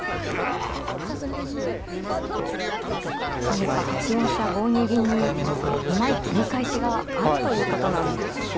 何か８四飛車５二銀にうまい切り返しがあるということなんですね。